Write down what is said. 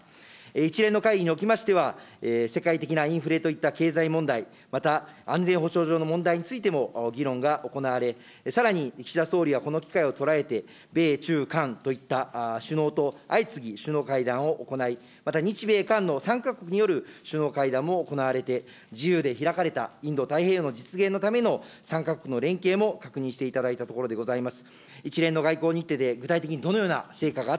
一連の会議におきましては、世界的なインフレといった経済問題、また安全保障上の問題についても議論が行われ、さらに岸田総理はこの機会を捉えて、米中韓といった首脳と相次ぎ首脳会談を行い、また日米韓の３か国による首脳会談も行われて、自由で開かれたインド太平洋実現のための３か国の連携も確認していただいたところでございます。